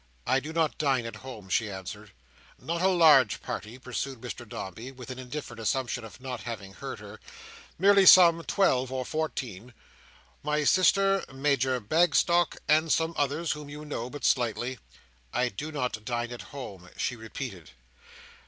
"I do not dine at home," she answered. "Not a large party," pursued Mr Dombey, with an indifferent assumption of not having heard her; "merely some twelve or fourteen. My sister, Major Bagstock, and some others whom you know but slightly." "I do not dine at home," she repeated.